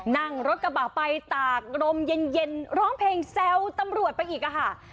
นั่งรถกระบะไปตากลมเย็นร้องเพลงแซวตำรวจไปอีกค่ะ